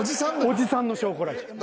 おじさんの証拠らしい。